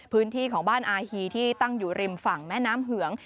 พื้นที่ของบ้านอาฮีที่ตั้งอยู่ริมฝั่งแม่น้ำเหือง